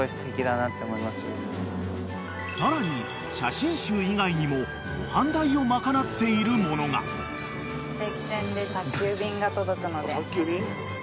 ［さらに写真集以外にもご飯代を賄っているものが］宅急便？